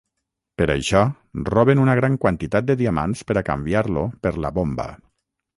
Per això, roben una gran quantitat de diamants per a canviar-lo per la bomba.